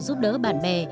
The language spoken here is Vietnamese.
giúp đỡ bạn bè